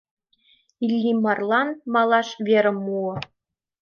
Иллимарлан малаш верым муо.